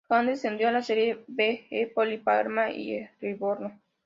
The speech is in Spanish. Han descendido a la Serie B el Empoli, Parma y el Livorno.